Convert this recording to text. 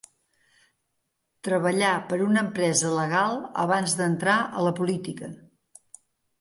Treballà per una empresa legal abans d'entrar a la política.